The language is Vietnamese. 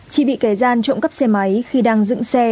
chỉ bị kẻ gian trộm cắp xe máy khi đang dựng xe